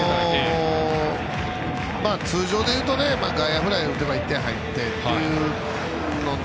通常でいうと外野フライを打てば１点入ってというので。